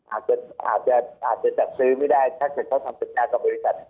อาจจะจัดซื้อไม่ได้ถ้าเขาทำสัญญาเก่าบริษัท